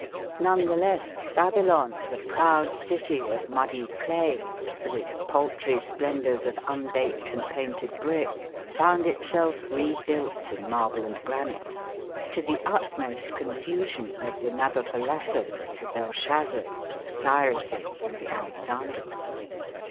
None the less Babylon, the proud city of muddy clay, with its paltry splendours of unbaked and painted brick, found itself rebuilt in marble and granite, to the utmost confusion of the Nabopolassars, the Belshazzars, the Cyruses, and the Alexanders.